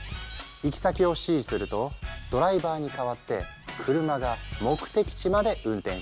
行き先を指示するとドライバーに代わって車が目的地まで運転してくれる。